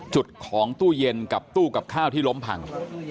จุดของตู้เย็นกับตู้กับข้าวที่ล้มพัง